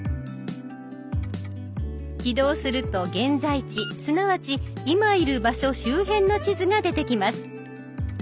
起動すると現在地すなわち「いまいる場所」周辺の地図が出てきます。